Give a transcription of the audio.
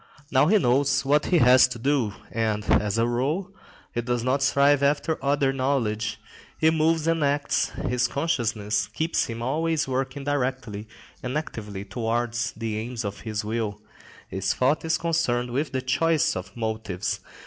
Now he knows what he has to do, and, as a rule, he does not strive after other knowledge. He moves and acts; his consciousness keeps him always working directly and actively towards the aims of his will; his thought is concerned with the choice of motives.